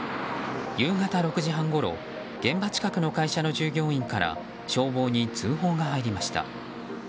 夕方６時半ごろ現場近くの会社の従業員から消防に通報が入りました。